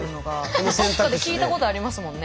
どっかで聞いたことありますもんね。